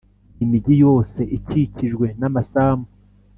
imigi yose ikikijwe n’ amasambu